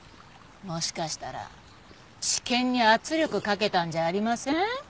もしかしたら地検に圧力かけたんじゃありません？